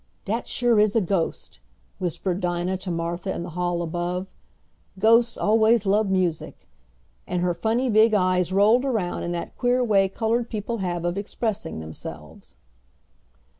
"Dat sure is a ghost," whispered Dinah to Martha in the hall above. "Ghosts always lub music," and her funny big eyes rolled around in that queer way colored people have of expressing themselves.